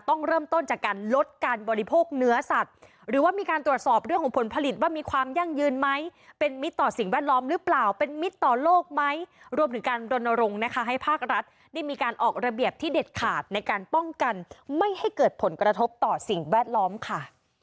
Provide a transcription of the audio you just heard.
ต้องเริ่มต้นจากการลดการบริโภคเนื้อสัตว์หรือว่ามีการตรวจสอบเรื่องของผลผลิตว่ามีความยั่งยืนไหมเป็นมิตรต่อสิ่งแวดล้อมหรือเปล่าเป็นมิตรต่อโลกไหมรวมถึงการรณรงค์นะคะให้ภาครัฐได้มีการออกระเบียบที่เด็ดขาดในการป้องกันไม่ให้เกิดผลกระทบต่อสิ่งแวดล้อมค่ะ